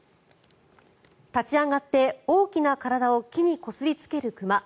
立ち上がって大きな体を木にこすりつける熊。